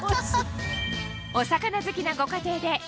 お魚好きなご家庭でおぉ！